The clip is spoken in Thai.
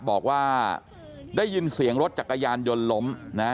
บอกว่าได้ยินเสียงรถจักรยานยนต์ล้มนะฮะ